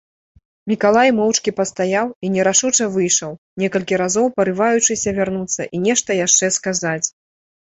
Мікалай моўчкі пастаяў і нерашуча выйшаў, некалькі разоў парываючыся вярнуцца і нешта яшчэ сказаць.